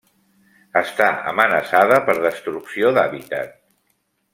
Està amenaçada per destrucció d'hàbitat.